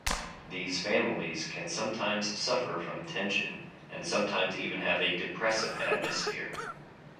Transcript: These families can sometimes suffer from tension and sometimes even have a depressive atmosphere.